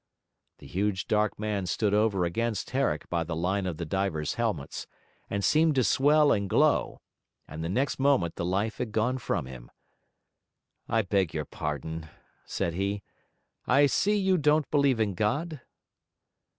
The huge dark man stood over against Herrick by the line of the divers' helmets, and seemed to swell and glow; and the next moment the life had gone from him. 'I beg your pardon,' said he; 'I see you don't believe in God?'